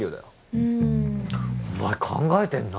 うーん。お前考えてんな。